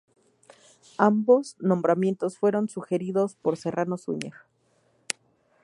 Ambos nombramientos fueron sugeridos por Serrano Suñer.